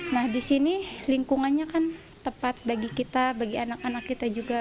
nah di sini lingkungannya kan tepat bagi kita bagi anak anak kita juga